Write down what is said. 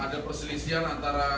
ada perselisian antara